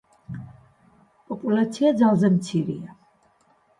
პოპულაცია ძალზე მცირეა.